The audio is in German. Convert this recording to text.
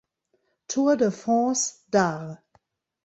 Tour de France dar.